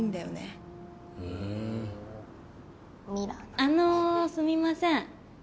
あのすみません。